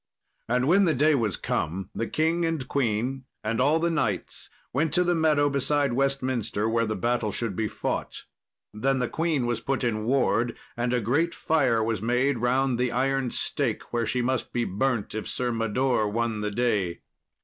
And when the day was come, the king and queen and all the knights went to the meadow beside Westminster, where the battle should be fought. Then the queen was put in ward, and a great fire was made round the iron stake, where she must be burnt if Sir Mador won the day.